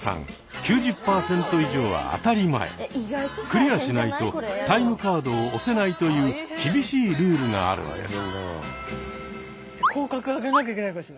クリアしないとタイムカードを押せないという厳しいルールがあるのです。